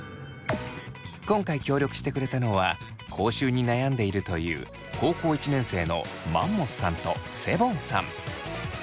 今回協力してくれたのは口臭に悩んでいるという高校１年生のマンモスさんとセボンさん。